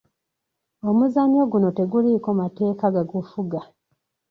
Omuzannyo guno teguliiko mateeka gagufuga.